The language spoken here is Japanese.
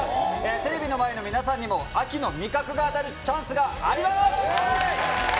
テレビの前の皆さんにも秋の味覚が当たるチャンスがあります。